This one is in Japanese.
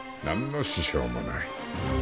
何の支障もない。